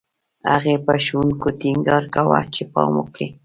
هغې په ښوونکو ټینګار کاوه چې پام وکړي